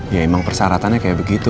ya emang persyaratannya kayak begitu